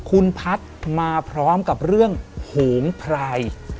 คุณพัฒน์มาพร้อมกับเรื่องโหงพราย